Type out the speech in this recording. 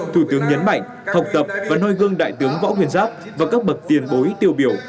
thủ tướng nhấn mạnh học tập và nuôi gương đại tướng võ nguyên giáp và các bậc tiền bối tiêu biểu